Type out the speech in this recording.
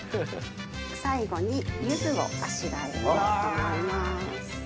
最後にゆずをあしらいたいと思います。